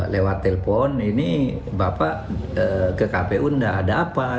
lewat telpon ini bapak ke kpu tidak ada apa